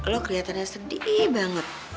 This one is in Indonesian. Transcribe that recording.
lo keliatannya sedih banget